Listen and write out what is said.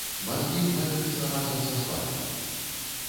Мазгі плавяцца разам з асфальтам.